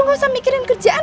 gak usah mikirin kerjaan